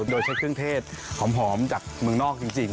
โดยใช้เครื่องเทศหอมจากเมืองนอกจริง